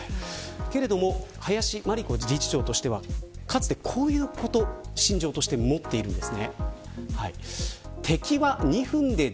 けれども林真理子理事長としてはかつてこういうことを信条として持っているんです。